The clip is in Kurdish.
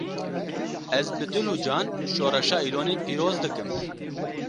Ez bi dil û can şoreşa Îlonê pîroz dikim